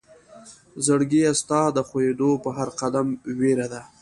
زړګيه ستا د خوئيدو په هر قدم وئيره ده